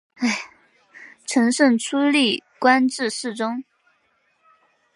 承圣初历官至侍中。